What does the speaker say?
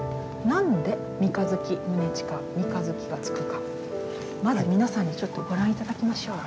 なんで「三日月宗近」「三日月」が付くかまず皆さんにちょっとご覧頂きましょう。